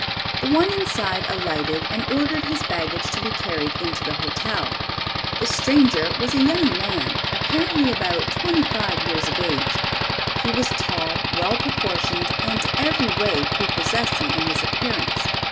The one inside alighted and ordered his baggage to be carried into the hotel. The stranger was a young man, apparently about twenty five years of age. He was tall, well proportioned and every way prepossessing in his appearance.